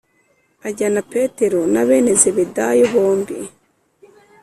Ajyana Petero na bene Zebedayo bombi